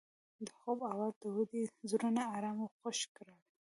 د خوب اواز د دوی زړونه ارامه او خوښ کړل.